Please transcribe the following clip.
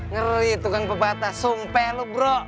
ngeri tukang pepatah sumpah lu bro